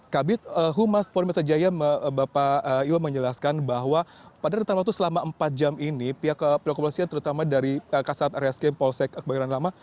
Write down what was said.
kabinet pondi metro jaya bapak iwa menjelaskan bahwa pada rentan waktu selama empat jam ini pihak kepolisian terutama dari kasus rsk polsek kebangiran lama